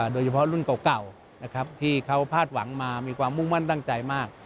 รุ่นเก่านะครับที่เขาพาดหวังมามีความมุ่งมั่นตั้งใจมาก